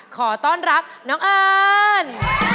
ขอต้อนรับน้องเอิญ